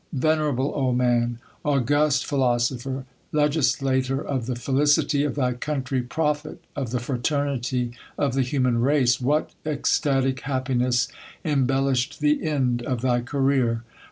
Venerable old man ! august philosopher ! legislator of the felicity of thy country, prophet of the fraternity of the human race, what ecstatic happiness embellish ed the end of thy career!